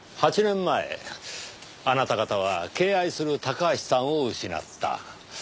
８年前あなた方は敬愛するタカハシさんを失った。